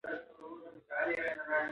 د سياسي او د سپک شهرت حاصلونکو پېجونو والا